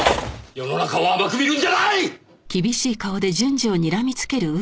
世の中を甘く見るんじゃない！